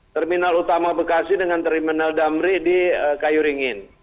terminal utama bekasi dengan terminal damri di kayu ringin